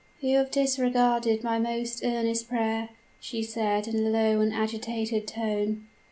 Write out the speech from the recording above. "'You have disregarded my most earnest prayer,' she said, in a low and agitated tone.